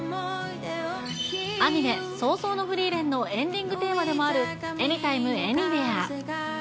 アニメ、葬送のフリーレンのエンディングテーマでもあるエニタイム・エニホエア。